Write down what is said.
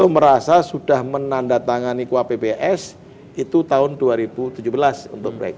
beliau merasa sudah menandatangani kuapps itu tahun dua ribu tujuh belas untuk proyek